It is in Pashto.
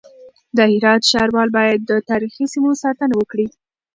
د هرات ښاروال بايد د تاريخي سيمو ساتنه وکړي.